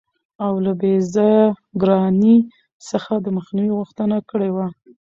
او له بې ځایه ګرانۍ څخه دمخنیوي غوښتنه کړې وه.